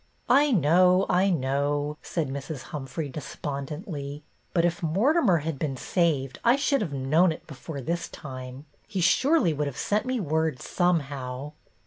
" I know, I know," said Mrs. Humphrey, despondently. " But if Mortimer had been saved I should have known it before this time. He surely would have sent me word some how."